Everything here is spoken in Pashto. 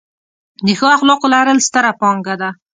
د ښو اخلاقو لرل، ستره پانګه ده.